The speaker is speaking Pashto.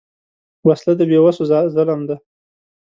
وسله د بېوسو ظلم ده